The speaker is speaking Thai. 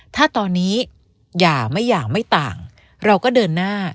ถ้าตอนนี้หย่าไม่หย่าไม่ต่างเราก็เดินหน้า